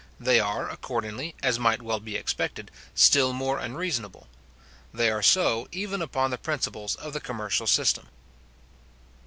They are, accordingly, as might well be expected, still more unreasonable. They are so, even upon the principles of the commercial system.